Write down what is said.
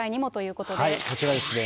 こちらですね。